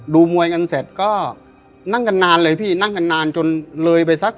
ดูมวยกันเสร็จก็นั่งกันนานเลยพี่นั่งกันนานจนเลยไปสัก